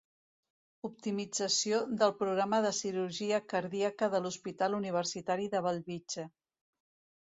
Optimització del Programa de Cirurgia Cardíaca de l'Hospital Universitari de Bellvitge.